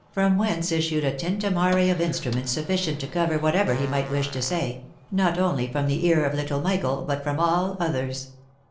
from whence issued a tintamarre of instruments sufficient to cover whatever he might wish to say, not only from the ear of little Michael, but from all others.